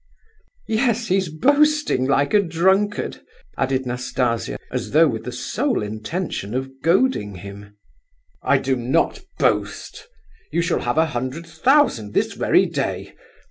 "Yes, he's boasting like a drunkard," added Nastasia, as though with the sole intention of goading him. "I do not boast! You shall have a hundred thousand, this very day.